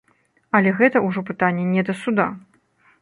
Але гэта ўжо пытанне не да суда.